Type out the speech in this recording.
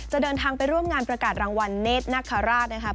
เดินทางไปร่วมงานประกาศรางวัลเนธนคราชนะครับ